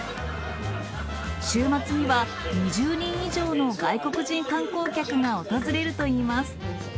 週末には、２０人以上の外国人観光客が訪れるといいます。